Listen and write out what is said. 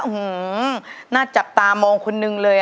หืออน่าจะจักตามองคนหนึ่งเลยอ่ะ